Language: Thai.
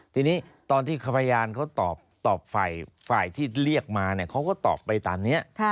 ทีนี้ตอนที่พยานเขาตอบฝ่ายที่เรียกมาเขาก็ตอบไปตามนี้